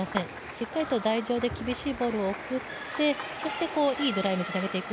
しっかりと台上で厳しいボールを送ってそして、いいドライブであげていく。